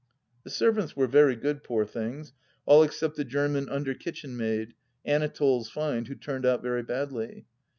The servants were very good, poor things, all except the German imder kitchen maid — Anatole's find, who turned out very badly.